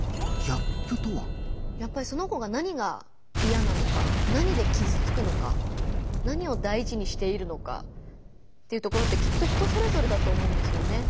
やっぱりその子が何が嫌なのか何できずつくのか何をだいじにしているのかっていうところってきっと人それぞれだと思うんですよね。